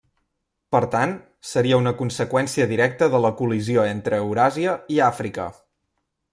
Per tant, seria una conseqüència directa de la col·lisió entre Euràsia i Àfrica.